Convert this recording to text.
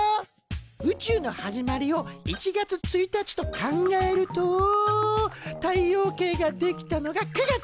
宇宙の始まりを１月１日と考えると太陽系が出来たのが９月。